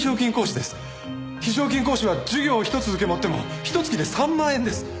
非常勤講師は授業を１つ受け持ってもひと月で３万円です。